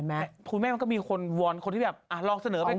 ไม่ก็คือแม่มันก็มีคนวอนคนที่ลองเสนอไปบอก